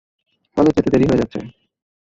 College যেতে দেরি হয়ে যাচ্ছে।